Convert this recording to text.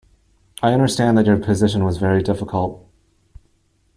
I understand that your position was very difficult.